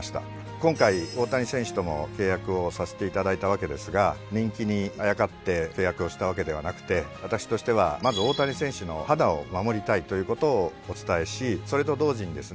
今回大谷選手とも契約をさせていただいたわけですが人気にあやかって契約をしたわけではなくて私としてはまず大谷選手の肌を守りたいということをお伝えしそれと同時にですね